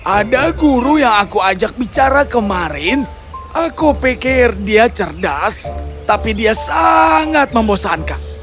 ada guru yang aku ajak bicara kemarin aku pikir dia cerdas tapi dia sangat membosankan